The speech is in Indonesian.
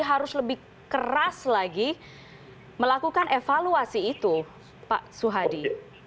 harus lebih keras lagi melakukan evaluasi itu pak suhadi